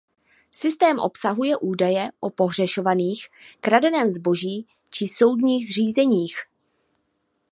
Systém obsahuje údaje o pohřešovaných, kradeném zboží či soudních řízeních.